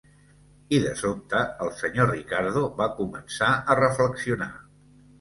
I de sobte el Sr. Ricardo va començar a reflexionar.